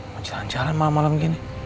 mau jalan jalan malah malam gini